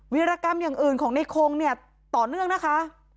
รกรรมอย่างอื่นของในคงเนี่ยต่อเนื่องนะคะ